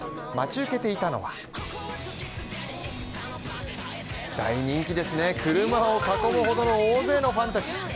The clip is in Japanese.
待ち受けていたのは大人気ですね、車を囲むほどの大勢のファンたち。